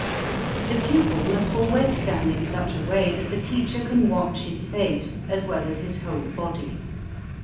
The pupil must always stand in such a way that the teacher can watch his face, as well as his whole body.